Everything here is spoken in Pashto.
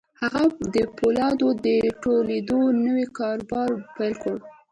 هغه د پولادو د تولید نوی کاروبار به پیلوي